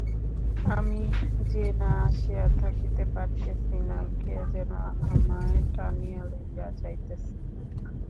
আমি যে না আসিয়া থাকিতে পারিতেছি না, কে যেন আমায় টানিয়া লইয়া যাইতেছে।